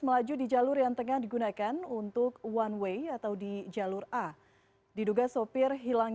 melaju di jalur yang tengah digunakan untuk one way atau di jalur a diduga sopir hilang